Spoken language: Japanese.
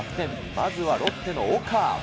まずはロッテの岡。